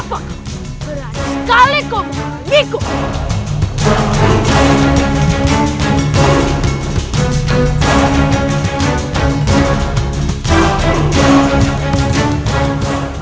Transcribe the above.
berani sekali kau menghidupiku